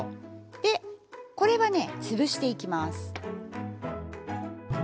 でこれはね潰していきます。